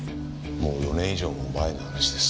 もう４年以上も前の話です。